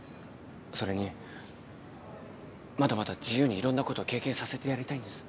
それにまだまだ自由にいろんなことを経験させてやりたいんです。